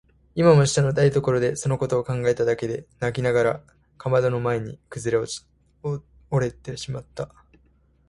今も下の台所でそのことを考えただけで泣きながらかまどの前にくずおれてしまった。